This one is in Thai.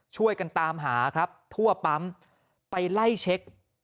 ช่วยกันตามหาครับทั่วปั๊มไปไล่เช็ค